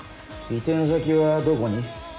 移転先はどこに？